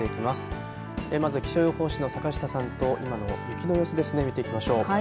まず、気象予報士の坂下さんと今の雪の様子見ていきましょう。